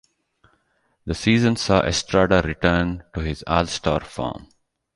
The season saw Estrada return to his All-Star form.